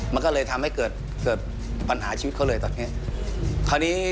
มันก็เลยทำให้เกิดปัญหาชีวิตเขาเลยตอนนี้